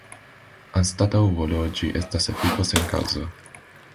Anstataŭ volo, ĝi estas efiko sen kaŭzo.